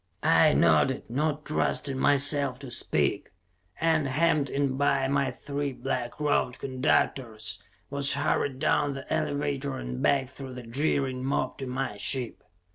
I nodded, not trusting myself to speak, and, hemmed in by my three black robed conductors, was hurried down the elevator and back through the jeering mob to my ship.